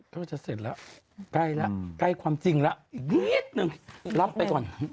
เขาจะเสร็จแล้วใกล้ความจริงแล้วอีกนิดหนึ่งรับไปก่อน